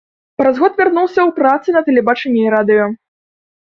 Праз год вярнуўся ў працы на тэлебачанні і радыё.